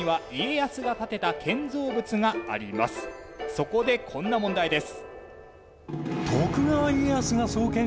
そこでこんな問題です。